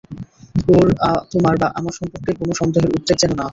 ওর, তোমার বা আমার সম্পর্কে কোনও সন্দেহের উদ্রেক যেন না হয়।